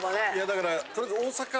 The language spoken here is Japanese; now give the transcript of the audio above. だからとりあえず。